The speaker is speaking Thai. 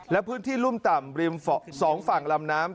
และพื้นที่รุ่มต่ำริม๒ฝั่งลำน้ำ